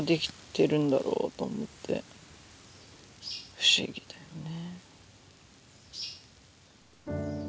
不思議だよね。